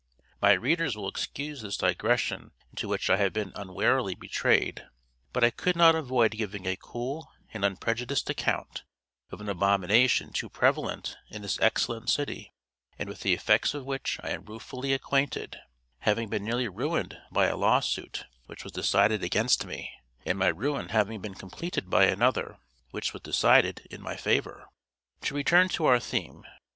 My readers will excuse this digression into which I have been unwarily betrayed; but I could not avoid giving a cool and unprejudiced account of an abomination too prevalent in this excellent city, and with the effects of which I am ruefully acquainted, having been nearly ruined by a lawsuit which was decided against me; and my ruin having been completed by another, which was decided in my favor. To return to our theme.